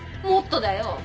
もっとだよ。